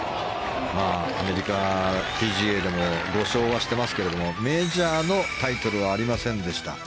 アメリカ、ＰＧＡでも５勝はしてますがメジャーのタイトルはありませんでした。